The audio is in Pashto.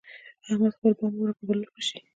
احمد خپل بام واوره پر بل وشي.